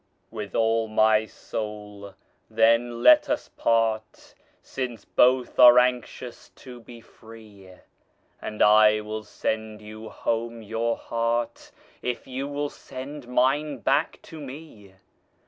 With all my soul, then, let us part, Since both are anxious to be free; And I will sand you home your heart, If you will send mine back to me.